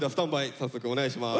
早速お願いします。